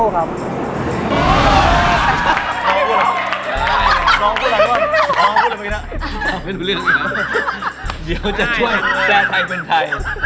เดี๋ยวจะช่วยแจ่ไทยเป็นไทย